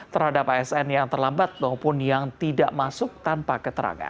terhadap asn yang terlambat maupun yang tidak masuk tanpa keterangan